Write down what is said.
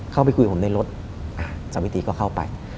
เข้าไปคุยผมในรถสวิตีก็เข้าไป